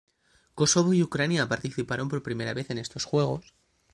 Kosovo y Ucrania participaron por primera vez en estos juegos.